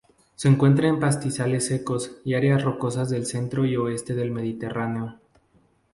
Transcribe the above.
Se encuentra en pastizales secos y áreas rocosas del centro y oeste del Mediterráneo.